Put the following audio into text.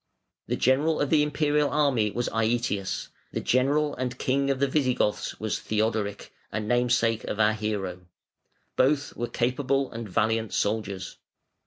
The general of the Imperial army was Aëtius; the general and king of the Visigoths was Theodoric, a namesake of our hero. Both were capable and valiant soldiers.